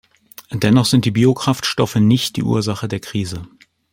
Dennoch sind die Biokraftstoffe nicht die Ursache der Krise.